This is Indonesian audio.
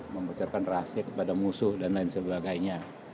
mengucapkan rahasia kepada musuh dan lain sebagainya